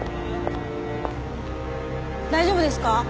大丈夫ですか？